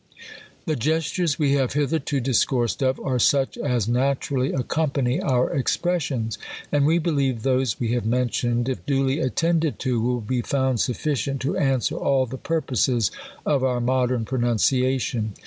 The gestures we have hitherto discoursed of, are such as naturally accompany our expressions. And we believe those we have mentioned, if duly attended to, will be found sufficient to answer all the purposes of our modern pronunciation.